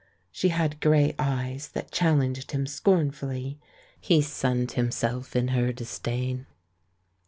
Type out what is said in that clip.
She had grey eyes that challenged him scornfully; he sunned himself in her disdain.